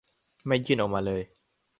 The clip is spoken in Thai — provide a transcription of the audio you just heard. ไม่ยื่นออกมาเลย